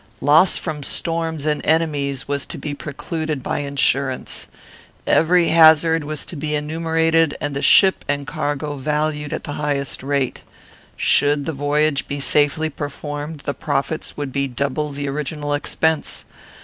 Loss from storms and enemies was to be precluded by insurance. Every hazard was to be enumerated, and the ship and cargo valued at the highest rate. Should the voyage be safely performed, the profits would be double the original expense.